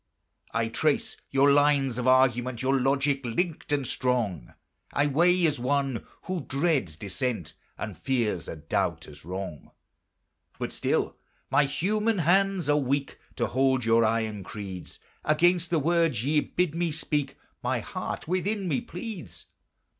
I trace your lines of argument; Your logic linked and strong I weigh as one who dreads dissent, And fears a doubt as wrong. But still my human hands are weak To hold your iron creeds: Against the words ye bid me speak My heart within me pleads.